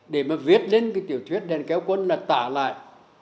để viết lên tiểu thuyết đèn kéo quân là tả lại